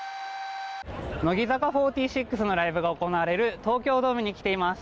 乃木坂４６のライブが行われる東京ドームに来ています。